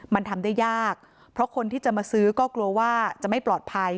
มันทำได้ยากเพราะคนที่จะมาซื้อก็กลัวว่าจะไม่ปลอดภัย